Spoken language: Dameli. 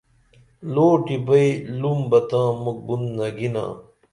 لوٹی بئی لوم بہ تاں مُکھ بُن نگینا